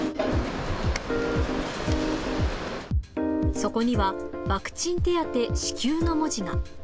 そこには、ワクチン手当支給の文字が。